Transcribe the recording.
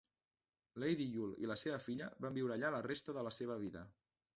Lady Yule i la seva filla van viure allà la resta de la seva vida.